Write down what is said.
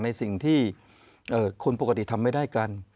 ในสิ่งที่คนปกติทำไม่ได้กัน